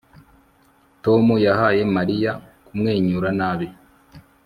Tom yahaye Mariya kumwenyura nabi